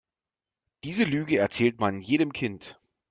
Diese Lüge erzählt man jedem Kind.